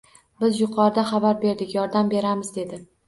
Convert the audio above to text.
— Biz yuqoriga xabar berdik, yordam beramiz, dedi.